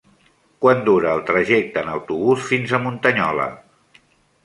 Quant dura el trajecte en autobús fins a Muntanyola?